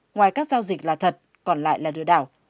ngoài các giao dịch là thật còn lại là lừa đảo